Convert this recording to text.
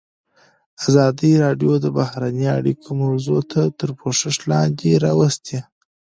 ازادي راډیو د بهرنۍ اړیکې موضوع تر پوښښ لاندې راوستې.